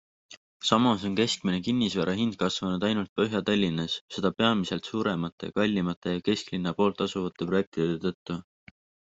Samas on keskmine kinnisvarahind kasvanud ainult Põhja-Tallinnas, seda peamiselt suuremate, kallimate ja kesklinna pool asuvate projektide tõttu.